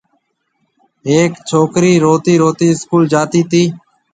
هيَڪ ڇوڪرِي روتِي روتِي اسڪول جاتي تي۔